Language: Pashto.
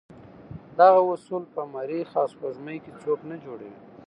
دغه اصول په مریخ او سپوږمۍ کې څوک نه جوړوي.